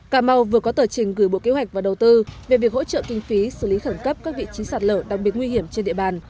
cà mau vừa có tờ trình gửi bộ kế hoạch và đầu tư về việc hỗ trợ kinh phí xử lý khẩn cấp các vị trí sạt lở đặc biệt nguy hiểm trên địa bàn